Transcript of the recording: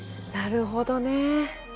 なるほどね。